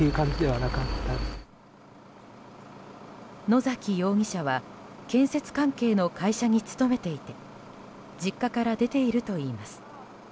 野崎容疑者は建設関係の会社に勤めていて実家から出ているといいます。